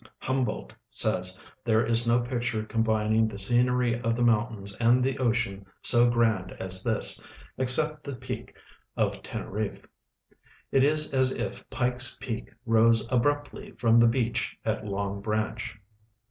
IIunil)oldt says there is no picture combining the scenery of the mountains and the ocean so grand as this, except the i)eak of Teneriffe. It is as if Pike's peak rose abruptly from the beach at Long Branch.